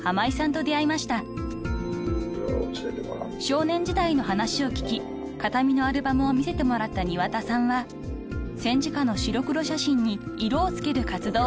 ［少年時代の話を聞き形見のアルバムを見せてもらった庭田さんは戦時下の白黒写真に色を付ける活動を開始］